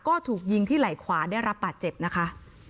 ก็ถูกยิงที่ไหล่ขวาได้รับบาดเจ็บนะคะ